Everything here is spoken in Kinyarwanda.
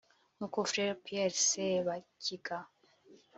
nk’uko Frere Pierre Sebakiga